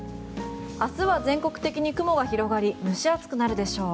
明日は全国的に雲が広がり蒸し暑くなるでしょう。